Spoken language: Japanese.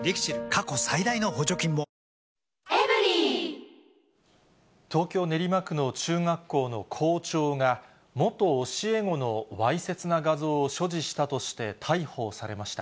過去最大の補助金も東京・練馬区の中学校の校長が、元教え子のわいせつな画像を所持したとして逮捕されました。